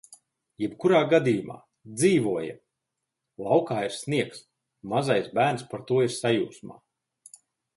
Jebkurā gadījumā - dzīvojam! laukā ir sniegs. mazais bērns par to ir sajūsmā.